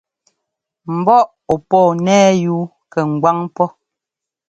Mbɔ́ ɔ́ pɔɔ nɛ́ yú kɛ ŋgwáŋ pɔ́.